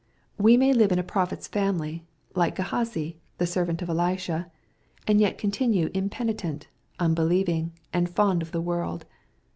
We may live in a prophet's family, like Gkhazi, the servant of Elisha, and yet continue impenitent, unbelieving, and fond of the world.